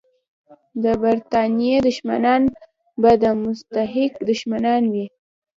د برتانیې دښمنان به د مسقط دښمنان وي.